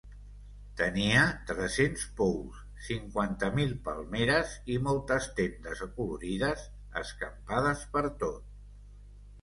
Tenia tres-cents pous, cinquanta mil palmeres i moltes tendes acolorides escampades pertot.